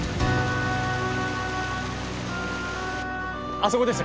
あそこです